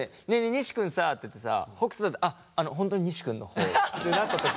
西君さ」って言ってさ北斗じゃなくて「あっ本当の西君の方」ってなった時。